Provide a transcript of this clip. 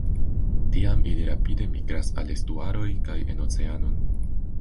Tiam, ili rapide migras al estuaroj kaj en oceanon.